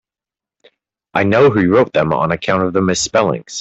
I know he wrote them on account of the misspellings.